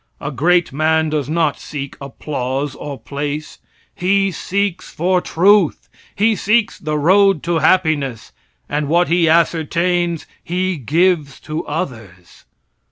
A great man does not seek applause or place; he seeks for truth; he seeks the road to happiness, and what he ascertains he gives to others.